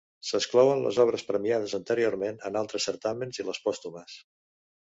S'exclouen les obres premiades anteriorment en altres certàmens i les pòstumes.